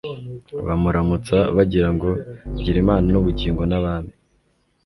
Bamuramutsa bagira Ngo : gira Imana n'ubugingo n'Abami,